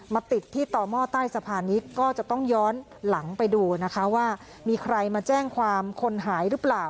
ติดที่ต่อหม้อใต้สะพานนี้ก็จะต้องย้อนหลังไปดูนะคะว่ามีใครมาแจ้งความคนหายหรือเปล่า